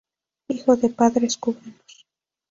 Hijo de padres cubanos.